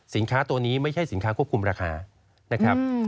สินค้าตัวนี้ไม่ใช่สินค้าควบคุมราคานะครับ